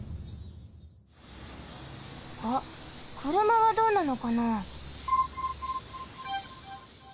あっくるまはどうなのかな？